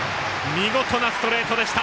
見事なストレートでした！